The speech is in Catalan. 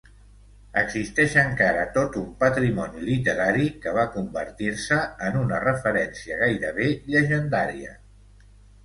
Existeix encara tot un patrimoni literari que va convertir-se en una referència gairebé llegendària.